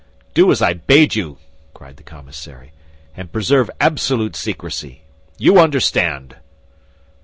"Do as I bade you," cried the commissary, "and preserve absolute secrecy. You understand!"